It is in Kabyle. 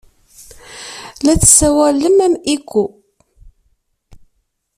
La tessawalem am Eco.